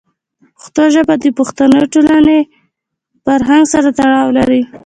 پښتو ژبه د پښتنو د ټولنې فرهنګ سره تړاو لري.